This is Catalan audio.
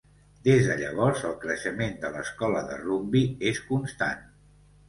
Des de llavors, el creixement de l’Escola de Rugbi és constant.